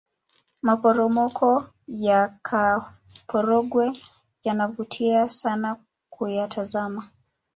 maporomoko yakaporogwe yanavutia sana kuyatazama